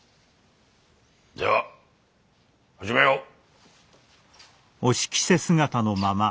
では始めよう。